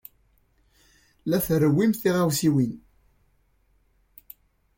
La trewwim tiɣawsiwin.